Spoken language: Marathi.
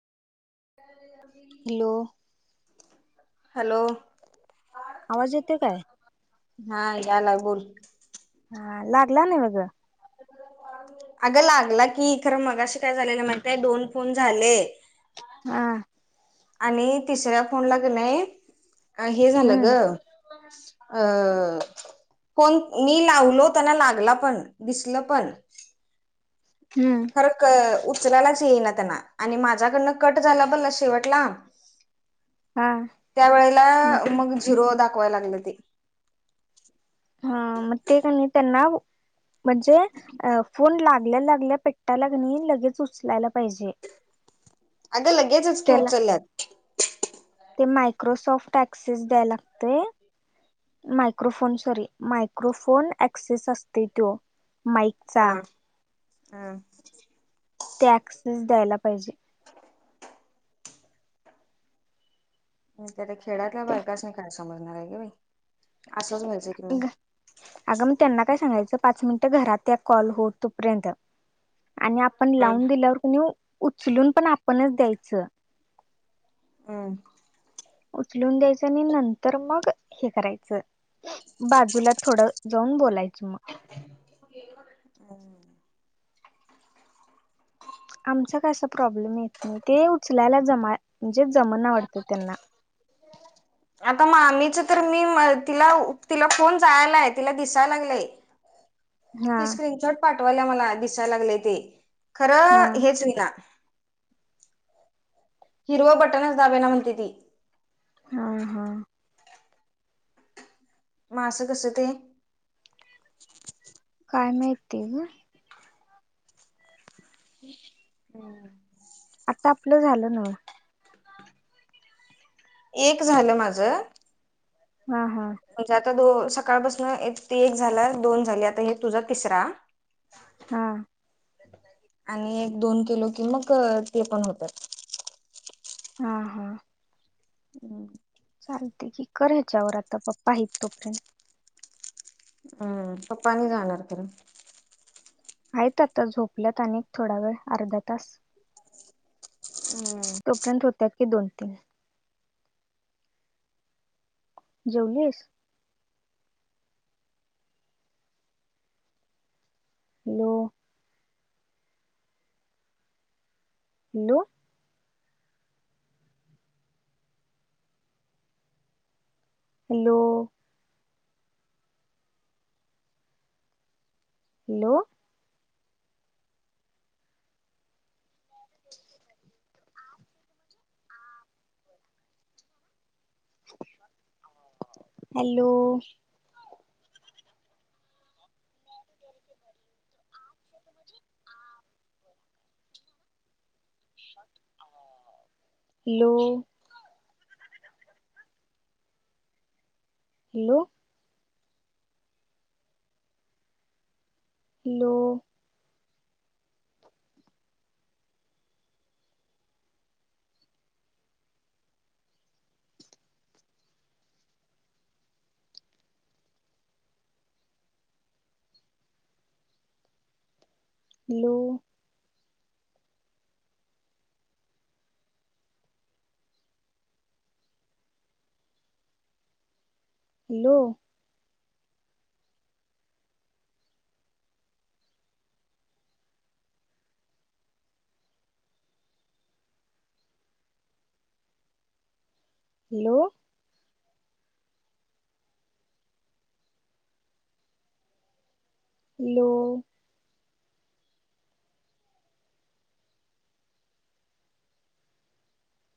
ह [inaudible] अभ हॅलो, हॅलो, आवाज येतेय काय. हा याला बोल. हा, लागला ना वगं. अगं लागला की, खरं मगशी काय झालेल माहिते दोन फोन झाले. हा, आणि तिसऱ्या फोन ला क नाही अ हे झालं ग. हम्म अ, कोण मी लावलो त्यांना लागला पण दिसल पण हम्म, खरं क उचलायलाच येईना त्यांना आणि माझ्याकडनं कट झाला पण शेवटला. [inaudible] त्या वेळेला मग झिरो दाखवायला लागलं ते. हा म ते क नाय त्यांना. म्हणजे अ फोन लागल्या लागल्या पेट्टयला क नाही लगेच उचलायला पाहिजे. अगं लगेचच की, त्याला उचलल्यात. ते मायक्रोसॉफ्ट ऍक्सेस द्यायला लागते. मायक्रोफोन सॉरी मायक्रोफोन ऍक्सेस असते तो माईक. हा हा, ते एक्सेस द्यायला पाहिजे. हम, त्या त्या खेडातला बायकास्नी काय समजणार आहे ग बाई असंच मजे. अगं मग त्यांना काय सांगायचं पाच मिनिटं घरात या कॉल होत तोपर्यंत. आणि आपण हा लावून दिल्यावर कुणी उचलून पण आपणच द्यायचं. हम्म. उचलून द्यायचं आणि नंतर मग हे करायचं बाजूला थोडं जाऊन बोलायच मग. हम् [inaudible] आमचा कसा प्रॉब्लेम येत नाही ते उचलायला जमा म्हणजे जमणा आवडत त्यांना. [inaudible] आता मामीच तर मी तिला, तिला कोण जायलाय तिला दिसायला लागलंय हा ते स्क्रीनशॉट पाठवायल्या मला दिसायला लागले ते हा खरं हेच होउ ना. हिरव बटनच दाबेना म्हणती ती. हा हा. मा अस कस ते? काय माहिती ग. हम्म. ते आपलं झालं नव्ह. एक झालं माझं. हा हा. म्हणजे आता दो सकाळपासून एक झाला, दोन झाली आता हे तुझा तिसरा. हा. आणि एक, दोन केलो कि मग ते पण होतात. हा हा. हम् [unintelligible] चालते की कर याच्यावर आता पप्पा आहेत तोपर्यंत. हम्म, पप्पा नाही जाणार परत? आहेत आता झोपल्यात अनेक थोडा वेळ अर्धा तास. हम्म. तोंपर्यंत होत्या की दोन, तीन. जेवलीस? Hello. Hello. Hello. Hello. [inaudible] Hello. [inaudible] Hello. Hello. Hello. Hello. Hello. Hello. Hello.